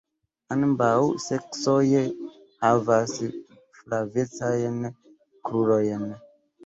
Ambaŭ seksoj havas flavecajn krurojn.